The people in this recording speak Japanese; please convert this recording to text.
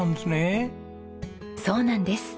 そうなんです。